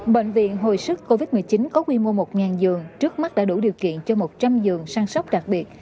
bệnh viện hồi sức covid một mươi chín có quy mô một giường trước mắt đã đủ điều kiện cho một trăm linh giường sản sóc đặc biệt